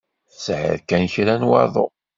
Tesεiḍ kan kra n waḍu.